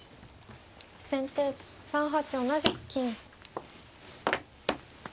先手３八同じく金。